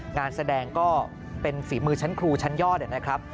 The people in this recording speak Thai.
งานแสดงก็เป็นฝีมือชั้นครูชั้นยอดนะครับ